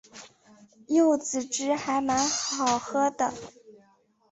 柚子汁还蛮好喝的